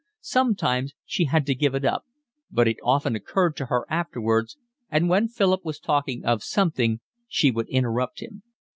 Sometimes she had to give it up, but it often occurred to her afterwards, and when Philip was talking of something she would interrupt him.